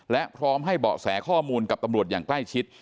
และพร้อมให้เบาะแสข้อมูลกับตำรวจอย่างใกล้ชิด